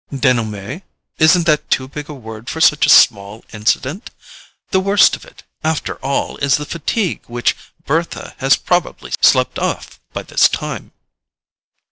"DENOUEMENT—isn't that too big a word for such a small incident? The worst of it, after all, is the fatigue which Bertha has probably slept off by this time."